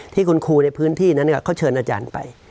ที่คุณครูในพื้นที่นั้นเขาเชิญอาจารย์ไป